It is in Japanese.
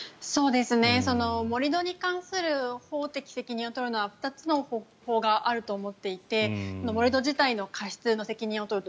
盛り土に関する法的責任を取るのは２つの方法があると思っていて盛り土自体の過失の責任を問うと。